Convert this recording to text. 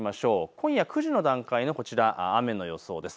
今夜９時の段階のこちら、雨の予想です。